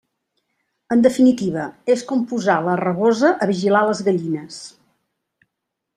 En definitiva, és com posar la rabosa a vigilar les gallines.